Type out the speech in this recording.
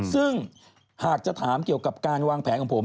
ซึ่งหากจะถามเกี่ยวกับการวางแผนของผม